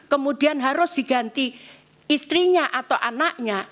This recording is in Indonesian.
kemudian harus diganti istrinya atau anaknya